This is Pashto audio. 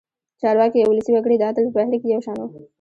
چارواکي او ولسي وګړي د عدل په بهیر کې یو شان وو.